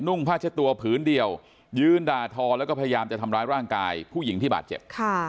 ่งผ้าเช็ดตัวผืนเดียวยืนด่าทอแล้วก็พยายามจะทำร้ายร่างกายผู้หญิงที่บาดเจ็บ